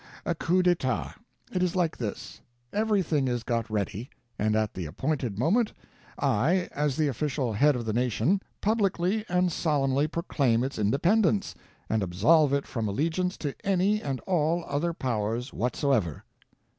"A coup d'etat. It is like this: everything is got ready, and at the appointed moment I, as the official head of the nation, publicly and solemnly proclaim its independence, and absolve it from allegiance to any and all other powers whatsoever."